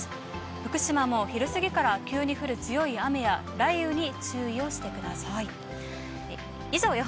福島も昼過ぎから急に降る強い雨や雷雨に注意をしてください。